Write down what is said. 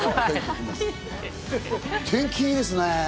天気いいですね！